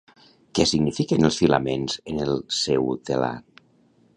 Què signifiquen els filaments en el seu telar?